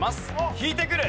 引いてくる！